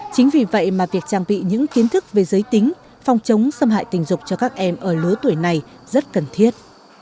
chính vì vậy mà việc trang bị những kiến thức về giới tính phòng chống xâm hại tình dục cho các em ở lứa tuổi này rất cần thiết